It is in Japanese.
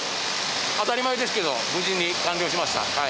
当たり前ですけど、無事に完了しました。